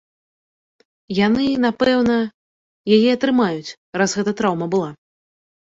Яны, напэўна, яе атрымаюць, раз гэта траўма была.